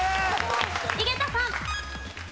井桁さん。